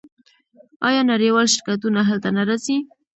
آیا نړیوال شرکتونه هلته نه راځي؟